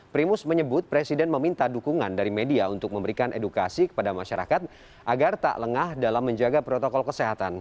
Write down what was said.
primus menyebut presiden meminta dukungan dari media untuk memberikan edukasi kepada masyarakat agar tak lengah dalam menjaga protokol kesehatan